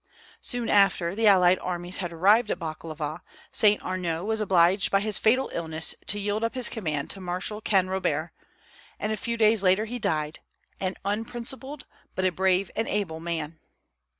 Soon after the allied armies had arrived at Balaklava, Saint Arnaud was obliged by his fatal illness to yield up his command to Marshal Canrobert, and a few days later he died, an unprincipled, but a brave and able man.